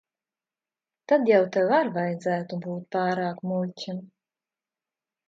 Tad jau tev ar vajadzētu būt pārāk muļķim.